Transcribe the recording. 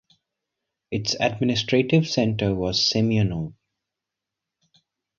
Its administrative centre was Semyonov.